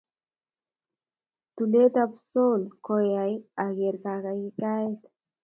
tulet apsuol koyaya aker kakaikaet